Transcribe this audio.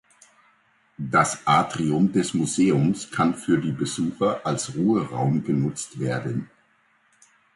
Das Atrium des Museums kann für die Besucher als Ruheraum genutzt werden.